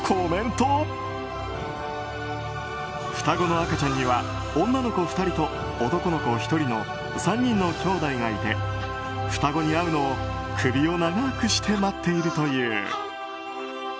双子の赤ちゃんには女の子２人と男の子１人の３人のきょうだいがいて双子に会うのを首を長くして待っているという。